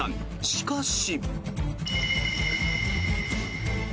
しかし。